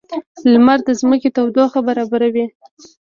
• لمر د ځمکې تودوخه برابروي.